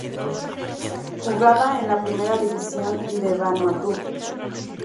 Jugaba en la Primera División de Vanuatu.